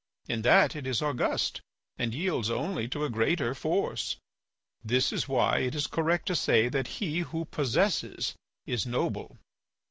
In that it is august and yields only to a greater force. This is why it is correct to say that he who possesses is noble.